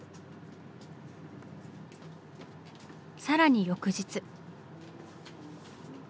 さらに翌日。